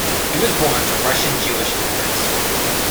He was born to Russian Jewish immigrants.